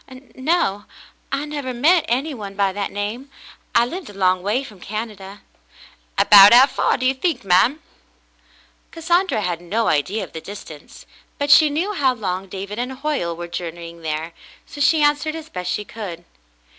" *'No, I never met any one by that name. I live a long way from Canada." ''About 'ow far do you think, ma'm.^*" Cassandra had no idea of the distance, but she knew how long David and Hoyle were journeying there, so she answered as best she could.